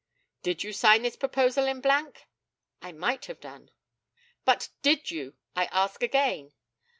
Did you sign this proposal in blank? I might have done. But did you, I ask again?